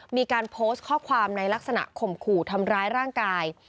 มีการโพสต์ข้อความในลักษณะข่มขู่ทำร้ายร่างกาย